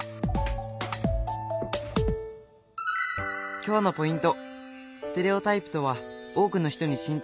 今日のポイント